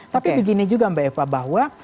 tapi begini juga mbak eva bahwa